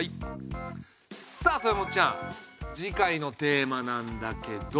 さあ豊本ちゃん次回のテーマなんだけど。